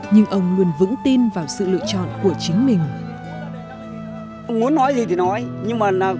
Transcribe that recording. nhưng ông luôn vững tin vào sự lựa chọn của chính mình